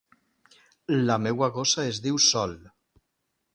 La meua gossa es diu Sol.